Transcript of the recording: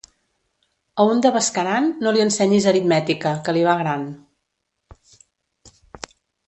A un de Bescaran no li ensenyis aritmètica, que li va gran.